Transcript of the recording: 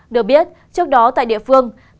được biết trước đó tại địa phương